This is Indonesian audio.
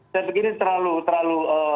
saya pikir ini terlalu